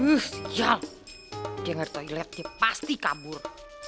huuu sial dia gak ada toiletnya pasti kabur